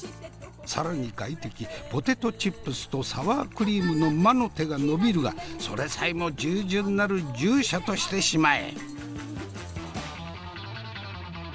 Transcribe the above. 更に外敵ポテトチップスとサワークリームの魔の手が伸びるがそれさえも従順なる従者としてしまえ。